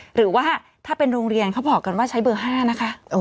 หรือว่าถ้าเป็นโรงเรียนเขาบอกกันว่าใช้เบอร์๕นะคะ